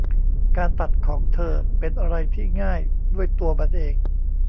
การตัดของเธอเป็นอะไรที่ง่ายด้วยตัวมันเอง